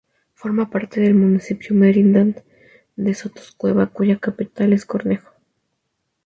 Forma parte del Municipio Merindad de Sotoscueva, cuya capital es Cornejo.